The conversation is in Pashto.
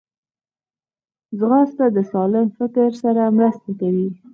ځغاسته د سالم فکر سره مرسته کوي